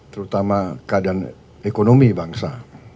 terutama keadaan ekonomi bangsa